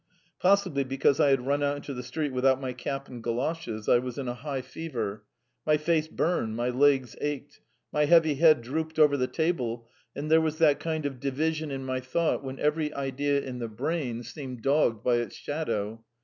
Possibly because I had run out into the street without my cap and goloshes I was in a high fever. My face burned, my legs ached. ... My heavy head drooped over the table, and there was that kind of division in my thought when every idea in the brain seemed dogged by its shadow.